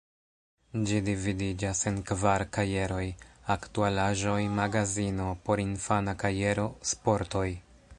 Ĝi dividiĝas en kvar kajeroj: “Aktualaĵoj“, “Magazino“, “Porinfana kajero“, “Sportoj“.